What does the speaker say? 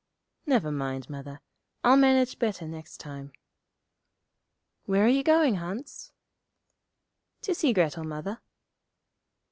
'Never mind, Mother; I'll manage better next time.' 'Where are you going, Hans?' 'To see Grettel, Mother.'